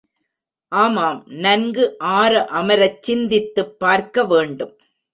ஆமாம் நன்கு ஆர அமரச் சிந்தித்துப் பார்க்க வேண்டும்.